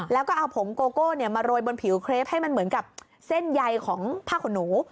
แล้วก็เอาผงโกโก้มาโรยบนผิวเครปให้มันเหมือนกับเส้นใยของผ้าขนหนู